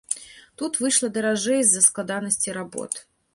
Тут выйшла даражэй з-за складанасці работ.